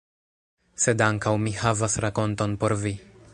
Sed ankaŭ mi havas rakonton por vi.